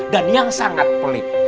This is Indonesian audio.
dan yang sangat pelit